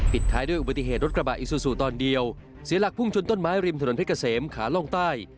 ท้ายด้วยอุบัติเหตุรถกระบะอิซูซูตอนเดียวเสียหลักพุ่งชนต้นไม้ริมถนนเพชรเกษมขาล่องใต้